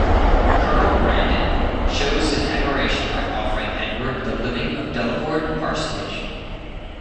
Colonel Brandon shows his admiration by offering Edward the living of Delaford parsonage.